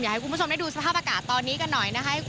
ให้คุณผู้ชมได้ดูสภาพอากาศตอนนี้กันหน่อยนะคะ